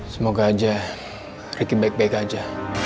semoga aja ricky baik baik aja